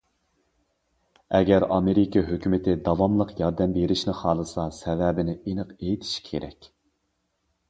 ئەگەر، ئامېرىكا ھۆكۈمىتى داۋاملىق ياردەم بېرىشنى خالىسا، سەۋەبىنى ئېنىق ئېيتىشى كېرەك.